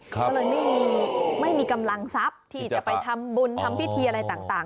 ก็เลยไม่มีกำลังทรัพย์ที่จะไปทำบุญทำพิธีอะไรต่าง